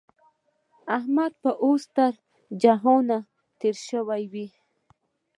احمد به اوس تر جهان تېری شوی وي.